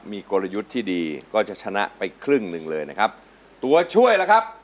มีกลยุทธ์ที่ดีก็จะชนะไปครึ่งหนึ่งเลยนะครับตัวช่วยล่ะครับ